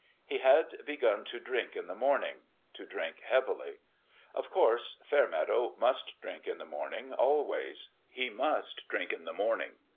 He had begun to drink in the morning to drink heavily. Of course, Fair meadow must drink in the morning, always ; he must drink in the morning.